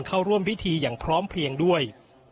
เข้าร่วมพิธีอย่างพร้อมเพลียงด้วย